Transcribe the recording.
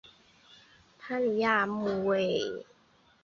攀鲈亚目为辐鳍鱼纲攀鲈目的其中一个亚目。